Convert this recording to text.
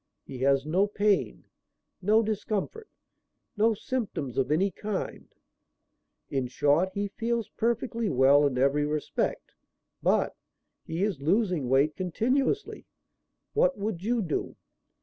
He has no pain, no discomfort, no symptoms of any kind; in short, he feels perfectly well in every respect; but he is losing weight continuously. What would you do?"